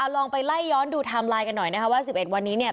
ลองไปไล่ย้อนดูไทม์ไลน์กันหน่อยนะคะว่า๑๑วันนี้เนี่ย